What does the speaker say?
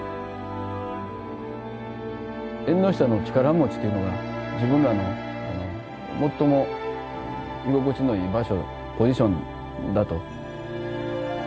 縁の下の力持ちっていうのが自分らの最も居心地のいい場所ポジションだと。